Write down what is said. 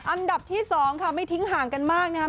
อันดับที่๒ค่ะไม่ทิ้งห่างกันมากนะครับ